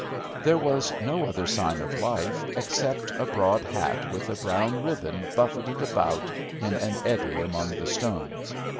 There was no other sign of life, except a broad hat with a brown ribbon buffeted about in an eddy among the stones.